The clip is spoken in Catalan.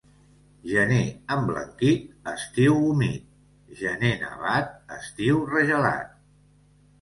Gener emblanquit, estiu humit; gener nevat, estiu regelat.